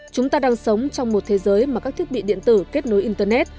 chúng ta đang sống trong một thế giới mà các thiết bị điện tử kết nối internet